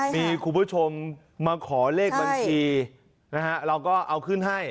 มีคุณผู้ชมมาขอเลขบัญชีนะฮะเราก็เอาขึ้นให้